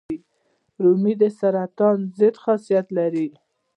رومیان د سرطان ضد خاصیت لري